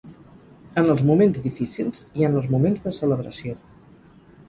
En els moments difícils i en els moments de celebració.